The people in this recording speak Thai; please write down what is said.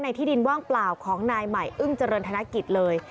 ที่ดินว่างเปล่าของนายใหม่อึ้งเจริญธนกิจเลย